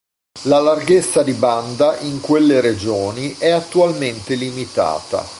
La larghezza di banda, in quelle regioni, è attualmente limitata.